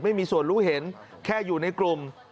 ไม่มีส่วนรู้เห็นแค่อยู่ในกลุ่ม